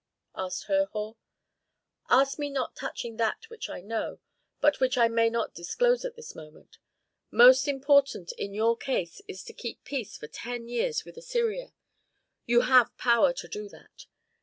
asked Herhor. "Ask me not touching that which I know, but which I may not disclose at this moment. Most important in your case is to keep peace for ten years with Assyria. Ye have power to do that.